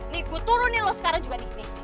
nih gue turunin lo sekarang juga nih